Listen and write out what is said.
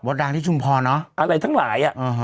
ดังที่ชุมพรเนอะอะไรทั้งหลายอ่ะ